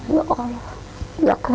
ya allah kamu sudah pulang